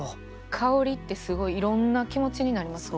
香りってすごいいろんな気持ちになりますもんね。